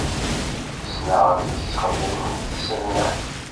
Ssneɣ amek ay ttxemmiment tsednan.